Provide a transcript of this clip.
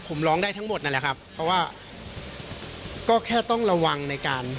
ผมร้องได้ทั้งหมดนั่นแหละครับเพราะว่าก็แค่ต้องระวังในการ